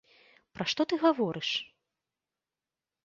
Пра што ты гаворыш?